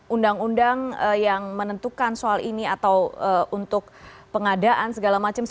undang undang yang menentukan soal ini atau untuk pengadaan segala macam